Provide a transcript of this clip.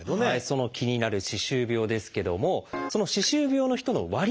その気になる歯周病ですけどもその歯周病の人の割合